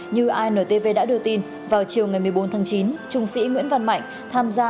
như intv đã đưa tin vào chiều ngày một mươi bốn tháng chín trung sĩ nguyễn văn mạnh tham gia